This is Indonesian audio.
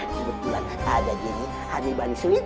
kebetulan ada jinny hadir bantu jinny